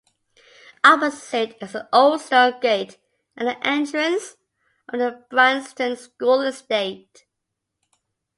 Opposite is the old stone gate at the entrance of the Bryanston School estate.